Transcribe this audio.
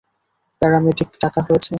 Paramedic ডাকা হয়েছে?